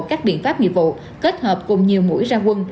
các biện pháp nghiệp vụ kết hợp cùng nhiều mũi ra quân